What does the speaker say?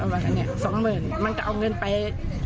ว่าสัก๒๐๐๐๐มันจะเอาเงินไป